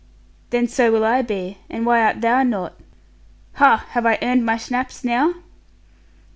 'Then so will I be, and why art thou not? Ha, have I earned my schnapps now?'